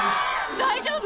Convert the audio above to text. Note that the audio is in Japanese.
大丈夫？